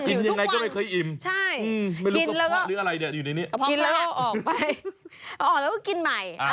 กินอย่างไรก็ไม่เคยอิ่มไม่รู้กระเพาะหรืออะไรอยู่ในนี้ออกไปออกแล้วก็กินใหม่